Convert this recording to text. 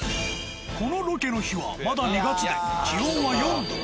このロケの日はまだ２月で気温は４度。